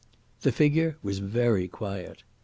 The figure was very quiet.